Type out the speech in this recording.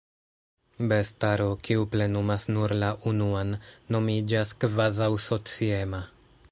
Bestaro, kiu plenumas nur la unuan, nomiĝas kvazaŭ-sociema.